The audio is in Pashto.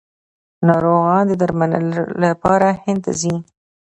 ناروغان د درملنې لپاره هند ته ځي.